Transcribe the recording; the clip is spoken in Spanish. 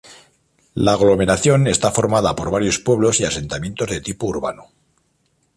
La aglomeración está formada por varios pueblos y asentamientos de tipo urbano.